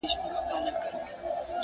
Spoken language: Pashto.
o جامه په يوه گوته اوږده په يوه لنډه!